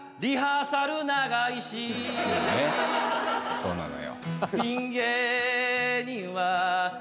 そうなのよ。